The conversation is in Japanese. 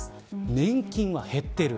年金は減っている。